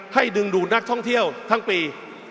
ดึงดูดนักท่องเที่ยวทั้งปี